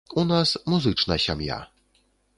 У нас музычна сям'я.